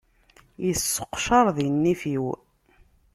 Yesseqecaṛ di nnif-iw.